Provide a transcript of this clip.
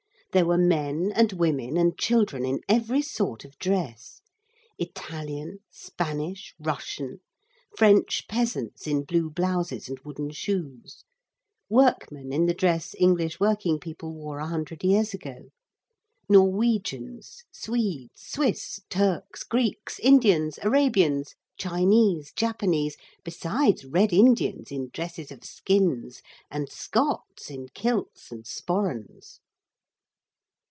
There were men and women and children in every sort of dress. Italian, Spanish, Russian; French peasants in blue blouses and wooden shoes, workmen in the dress English working people wore a hundred years ago. Norwegians, Swedes, Swiss, Turks, Greeks, Indians, Arabians, Chinese, Japanese, besides Red Indians in dresses of skins, and Scots in kilts and sporrans.